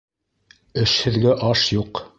Эшһеҙгә аш юҡ.